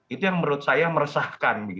itu yang menurut saya meresahkan